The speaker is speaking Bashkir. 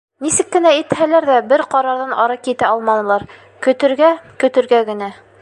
Нисек кенә итһәләр ҙә, бер ҡарарҙан ары китә алманылар: көтөргә, көтөргә генә.